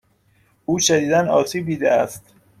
او شدیدا آسیب دیده است.